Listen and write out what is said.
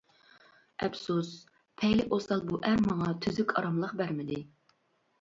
ئەپسۇس، پەيلى ئوسال بۇ ئەر ماڭا تۈزۈك ئاراملىق بەرمىدى.